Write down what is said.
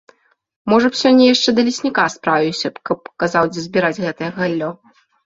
Можа б сёння яшчэ да лесніка справіўся б, каб паказаў, дзе збіраць гэтае галлё.